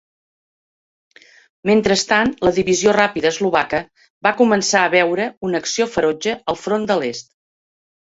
Mentrestant, la divisió ràpida eslovaca va començar a veure una acció ferotge al front de l'est.